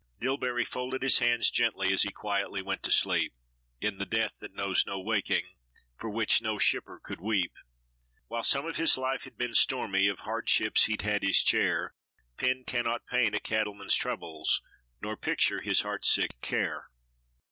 Dillbery folded his hands gently, as he quietly went to sleep, In the death that knows no waking, for which no shipper could weep; While some of his life had been stormy, of hardships he'd had his share, Pen cannot paint a cattleman's troubles, nor picture his heart sick care.